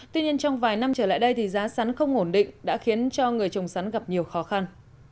tuy nhiên trong vài năm trở lại đây giá sắn không ổn định đã khiến cho người trồng sắn gặp nhiều khó khăn